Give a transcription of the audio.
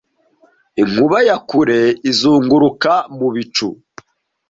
inkuba ya kure izunguruka mu bicu